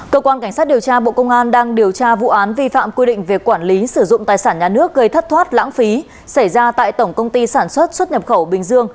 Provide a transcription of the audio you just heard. cơ quan cảnh sát điều tra bộ công an đang điều tra vụ án vi phạm quy định về quản lý sử dụng tài sản nhà nước gây thất thoát lãng phí xảy ra tại tổng công ty sản xuất xuất nhập khẩu bình dương